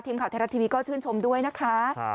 ข่าวไทยรัฐทีวีก็ชื่นชมด้วยนะคะ